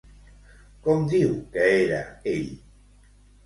Com diu que era, ell?